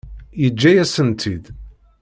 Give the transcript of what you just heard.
Yeǧǧa-yasen-tt-id.